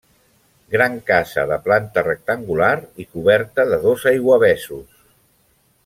Gran casa de planta rectangular i coberta de dos aiguavessos.